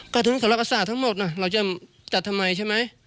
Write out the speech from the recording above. อ้าวก็ถึงเขรักษาทั้งหมดน่ะเราจะจัดทำไมใช่ไหม